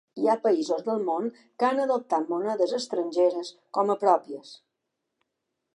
Hi ha països del món que han adoptat monedes estrangeres com a pròpies.